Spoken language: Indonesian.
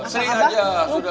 sering aja sudah